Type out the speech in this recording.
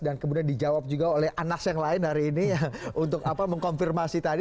dan kemudian dijawab juga oleh anas yang lain hari ini untuk mengkonfirmasi tadi